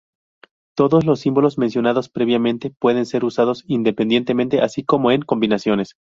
Todos los símbolos mencionados previamente pueden ser usados independientemente así como en combinaciones.